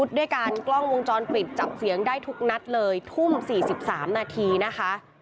ด้วยการกล้องวงจรปิดจับเสียงได้ทุกนัดเลยทุ่ม๔๓นาทีนะคะ